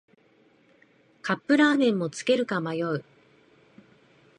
カップラーメンもつけるか迷う